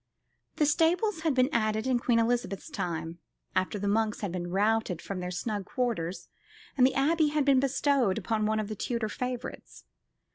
The stables had been added in Queen Elizabeth's time, after the monks had been routed from their snug quarters, and the Abbey had been bestowed upon one of the Tudor favourites.